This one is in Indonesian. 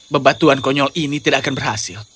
bebatuan konyol ini tidak akan berhasil